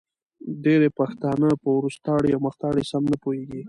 ډېری پښتانه په وروستاړې او مختاړې سم نه پوهېږې